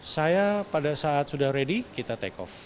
saya pada saat sudah ready kita take off